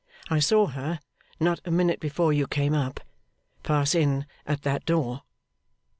I saw her, not a minute before you came up, pass in at that door.